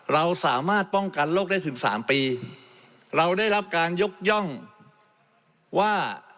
เราสามารถป้องกันโรคได้ถึงสามปีเราได้รับการยกย่องว่า